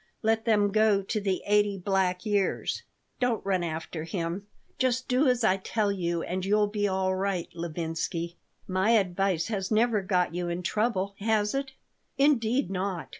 Let them go to the eighty black years. Don't run after him. Just do as I tell you and you'll be all right, Levinsky. My advice has never got you in trouble, has it?" "Indeed not.